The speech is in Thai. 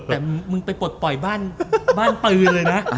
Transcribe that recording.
แต่มึงไปปลดปล่อยบ้านปืนเลยนะ